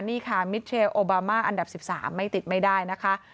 นี่ค่ะมิเทลโอบามาอันดับ๑๓ไม่ติดไม่ได้นะคะ